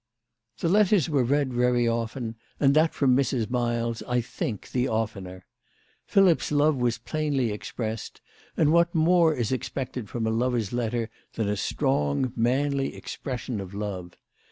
THE letters were read very often, and that from Mrs. Miles I think the oftener. Philip's love was plainly expressed, and what more is expected from a lover's letter than a strong, manly expression of love